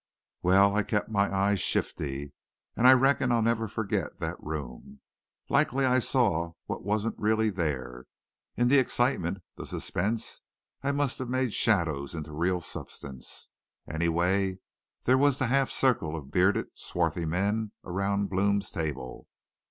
"Well, I kept my eyes shifty. And I reckon I'll never forget that room. Likely I saw what wasn't really there. In the excitement, the suspense, I must have made shadows into real substance. Anyway, there was the half circle of bearded, swarthy men around Blome's table.